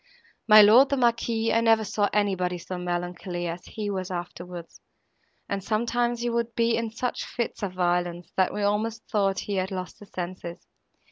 My lord, the Marquis, I never saw anybody so melancholy as he was afterwards, and sometimes he would be in such fits of violence, that we almost thought he had lost his senses.